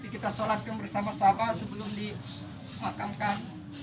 kita sholatkan bersama sama sebelum dimakamkan